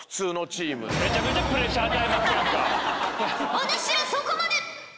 お主らそこまで！